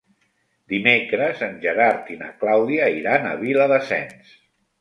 Dimecres en Gerard i na Clàudia iran a Viladasens.